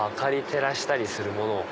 照らしたりするものを。